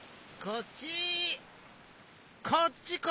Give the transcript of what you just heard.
こっちこっち！